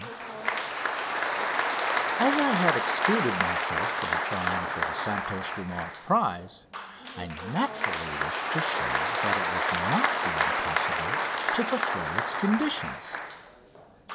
LEAVING AËRO CLUB GROUNDS, JULY 12, 1901] As I had excluded myself from trying for the Santos Dumont prize I naturally wished to show that it would not be impossible to fulfil its conditions.